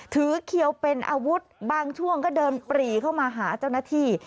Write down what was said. เขียวเป็นอาวุธบางช่วงก็เดินปรีเข้ามาหาเจ้าหน้าที่